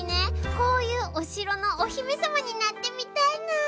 こういうおしろのおひめさまになってみたいな。